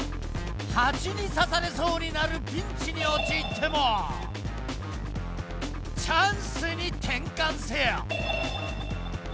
蜂にさされそうになるピンチにおちいってもチャンスに転かんせよ。